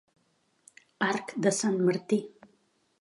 Arc de sant Martí.